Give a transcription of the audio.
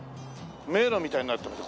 迷路みたいになってます。